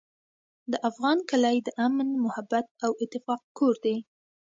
د افغان کلی د امن، محبت او اتفاق کور دی.